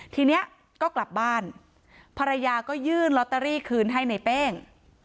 ทีนี้ก็กลับบ้านภรรยาก็ยื่นลอตเตอรี่คืนให้ในเป้ง